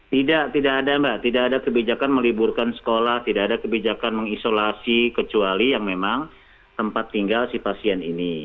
tidak tidak ada mbak tidak ada kebijakan meliburkan sekolah tidak ada kebijakan mengisolasi kecuali yang memang tempat tinggal si pasien ini